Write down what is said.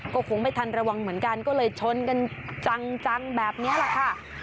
ก็คงไม่ทันระวังเหมือนกันก็เลยชนกันจังแบบนี้แหละค่ะ